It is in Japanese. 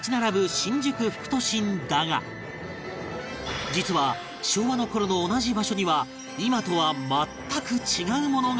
新宿副都心だが実は昭和の頃の同じ場所には今とは全く違うものがあった